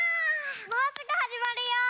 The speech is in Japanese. もうすぐはじまるよ。